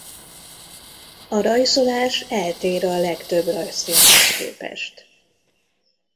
A rajzolása eltér a legtöbb rajzfilmhez képest.